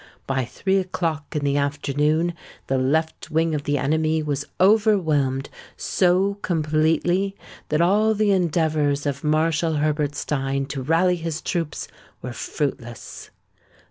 By three o'clock in the afternoon, the left wing of the enemy was overwhelmed so completely that all the endeavours of Marshal Herbertstein to rally his troops were fruitless.